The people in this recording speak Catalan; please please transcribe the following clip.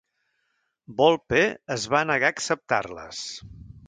Volpe es va negar a acceptar-les.